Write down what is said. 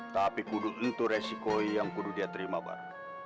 tapi kudu tentu resikoi yang kudu dia terima bar